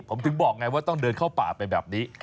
ผมถึงบอกไงว่าต้องเดินเข้าป่าไปแบบนี้